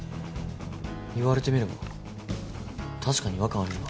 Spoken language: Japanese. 言われてみれば確かに違和感あるよな。